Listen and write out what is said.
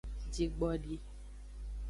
Jigbdi.